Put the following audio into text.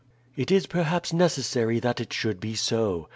"It is perhaps necessary that it should be so.